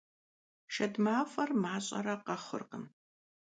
Шэд мафӀэр мащӀэрэ къэхъуркъым.